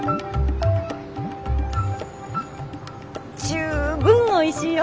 十分おいしいよ。